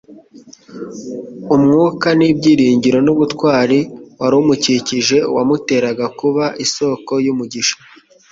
Umwuka n'ibyiringiro n'ubutwari wari umukikije wamuteraga kuba isoko y'umugisha